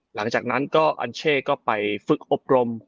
หลังจากนั้นก็อัญเช่ก็ไปฝึกอบรม